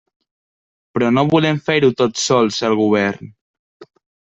Però no volem fer-ho tot sols al Govern.